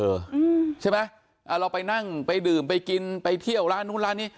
อืมใช่ไหมอ่าเราไปนั่งไปดื่มไปกินไปเที่ยวร้านนู้นร้านนี้